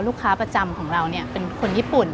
ลูกค้าประจำของเราเป็นคนญี่ปุ่น